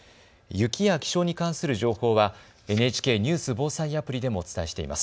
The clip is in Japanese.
雪や気象に関する情報はＮＨＫニュース・防災アプリでもお伝えしています。